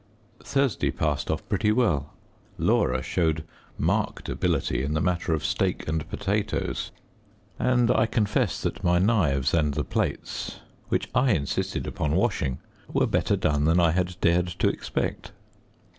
Thursday passed off pretty well. Laura showed marked ability in the matter of steak and potatoes, and I confess that my knives, and the plates, which I insisted upon washing, were better done than I had dared to expect.